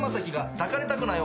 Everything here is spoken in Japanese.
抱かれたくないな。